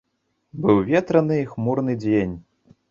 Быў ветраны і хмурны дзень.